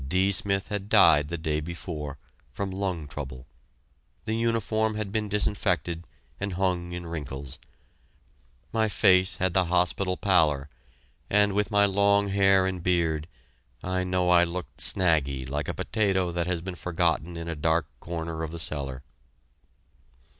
D. Smith had died the day before, from lung trouble. The uniform had been disinfected, and hung in wrinkles. My face had the hospital pallor, and, with my long hair and beard, I know I looked "snaggy" like a potato that has been forgotten in a dark corner of the cellar.